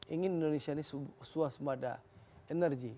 ingin indonesia ini suasembada energi